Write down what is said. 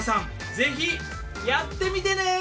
ぜひやってみてね！